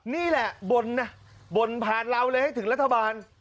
นี่แหละบ่นนะบ่นผ่านเราเลยให้ถึงรัฐบาล